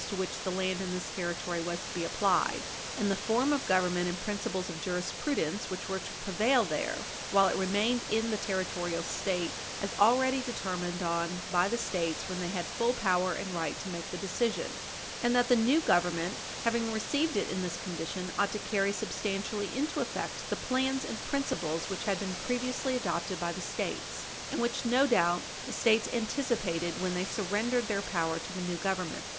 439 to which the land in this Territory was to be applied and the form of government and principles of jurisprudence which were to prevail there, while it remained in the Territorial state, as already determined on by the States when they had full power and right to make the decision, and that the new Government, having received it in this condition, ought to carry substantially into effect the plans and principles which had been previously adopted by the States, and which no doubt the States anticipated when they surrendered their power to the new Government.